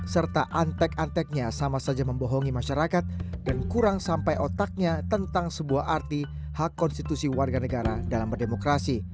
serta antek anteknya sama saja membohongi masyarakat dan kurang sampai otaknya tentang sebuah arti hak konstitusi warga negara dalam berdemokrasi